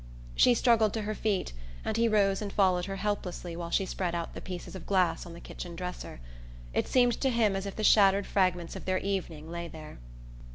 She struggled to her feet, and he rose and followed her helplessly while she spread out the pieces of glass on the kitchen dresser. It seemed to him as if the shattered fragments of their evening lay there.